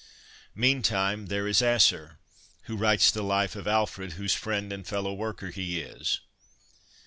Meantime, there is Asser, who writes the life of Alfred, whose friend and fellow worker he is.